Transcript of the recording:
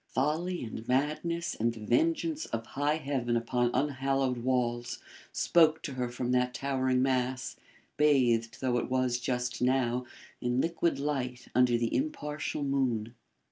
Folly and madness and the vengeance of high heaven upon unhallowed walls, spoke to her from that towering mass, bathed though it was just now in liquid light under the impartial moon.